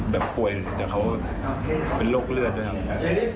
ป่วยแต่เขาเป็นโรคเลือดด้วยครับ